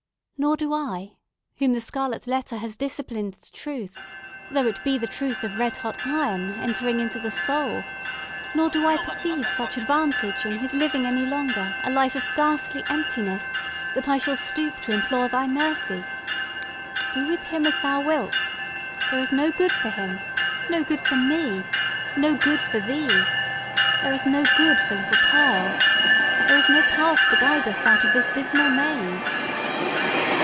Nor do I—whom the scarlet letter has disciplined to truth, though it be the truth of red hot iron entering into the soul—nor do I perceive such advantage in his living any longer a life of ghastly emptiness, that I shall stoop to implore thy mercy. Do with him as thou wilt! There is no good for him, no good for me, no good for thee. There is no good for little Pearl. There is no path to guide us out of this dismal maze."